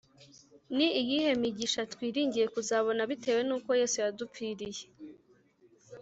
Ni iyihe migisha twiringiye kuzabona bitewe n uko Yesu yadupfiriye